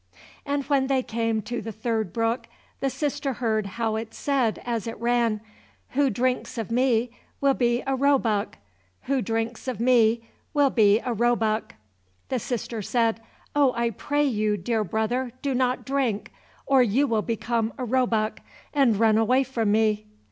And when they came to the third brook the sister heard how it said as it ran, "Who drinks of me will be a roebuck; who drinks of me will be a roebuck." The sister said, "Oh, I pray you, dear brother, do not drink, or you will become a roebuck, and run away from me."